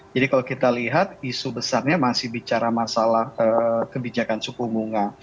jadi kalau kita lihat isu besarnya masih bicara masalah kebijakan suku bunga